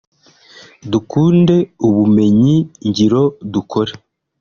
Dukunde ubumenyi ngiro dukore